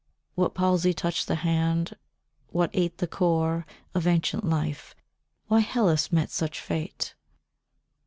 What palsy touched the hand, what ate the core Of ancient life—why Hellas met such fate?